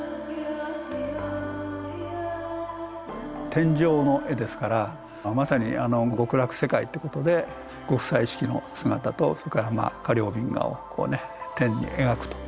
天井の絵ですからまさに極楽世界っていうことで極彩色の姿とそれからまあ迦陵頻伽をこうね天に描くと。